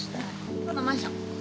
このマンション。